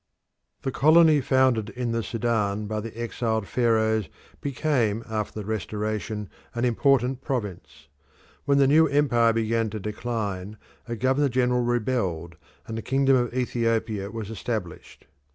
The colony founded in the Sudan by the exiled Pharaohs became after the restoration an important province. When the new empire began to decline a governor general rebelled, and the kingdom of Ethiopia was established.